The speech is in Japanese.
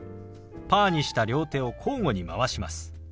パーにした両手を交互に回します。